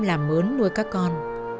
làm mướn nuôi các con